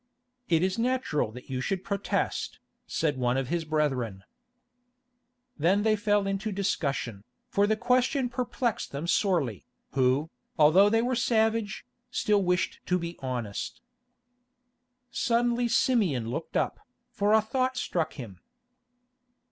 "It is natural that you should protest," said one of his brethren. Then they fell into discussion, for the question perplexed them sorely, who, although they were savage, still wished to be honest. Suddenly Simeon looked up, for a thought struck him.